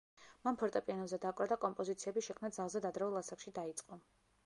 მან ფორტეპიანოზე დაკვრა და კომპოზიციების შექმნა ძალზედ ადრეულ ასაკში დაიწყო.